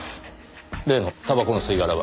例のタバコの吸い殻は？